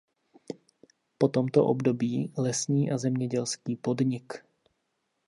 Po tomto období lesní a zemědělský podnik.